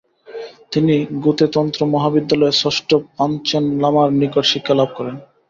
তিনি গ্যুতে তন্ত্র মহাবিদ্যালয়ে ষষ্ঠ পাঞ্চেন লামার নিকট শিক্ষালাভ করেন।